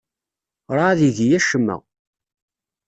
Werɛad igi acemma.